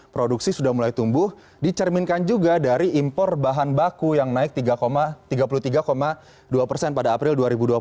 produksi sudah mulai tumbuh dicerminkan juga dari impor bahan baku yang naik tiga puluh tiga dua persen pada april dua ribu dua puluh satu